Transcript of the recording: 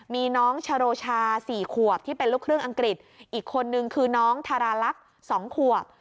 มีน้องชโรชา๔ขวบที่เป็นลูกครึ่งอังกฤษอีกคนนึงคือน้องทาราลักษณ์๒ขวบ